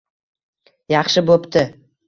Yaxshi bo`pti